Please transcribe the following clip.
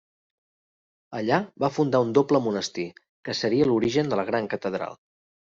Allà va fundar un doble monestir, que seria l'origen de la gran catedral.